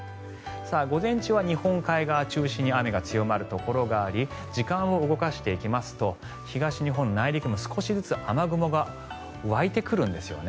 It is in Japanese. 午前中は日本海側中心に雨が強まるところがあり時間を動かしていきますと東日本の内陸も少しずつ雨雲が湧いてくるんですね。